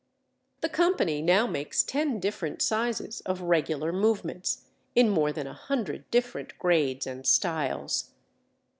The company now makes ten different sizes of regular movements, in more than a hundred different grades and styles.